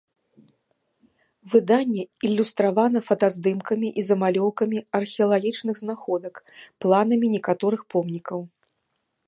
Выданне ілюстравана фотаздымкамі і замалёўкамі археалагічных знаходак, планамі некаторых помнікаў.